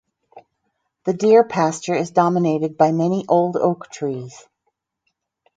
The deer pasture is dominated by many old oak trees.